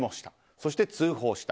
そして通報した。